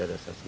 ya ada saksi